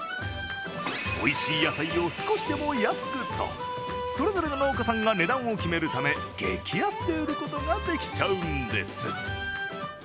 おいしい野菜を少しでも安くと、それぞれの農家さんが値段を決めるため、激安で売ることができちゃうんです。